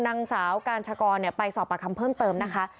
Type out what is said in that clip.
นางสาวกาญชกรไปสอบประคำเพิ่มเติมนะคะ